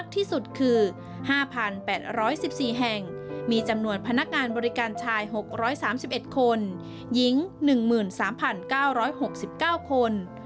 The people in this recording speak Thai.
ที่สุดคือ๕๘๑๔แห่งมีจำนวนพนักงานบริการชาย๖๓๑คนหญิง๑๓๙๖๙คน